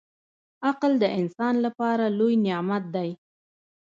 • عقل د انسان لپاره لوی نعمت دی.